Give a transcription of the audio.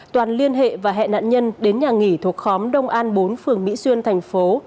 toàn liên hệ và hẹn nạn nhân đến nhà nghỉ thuộc khóm đông an bốn phường mỹ xuyên thành phố